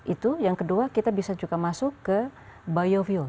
itu yang kedua kita juga bisa masuk ke bio fuel